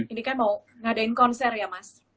ini kan mau ngadain konser ya mas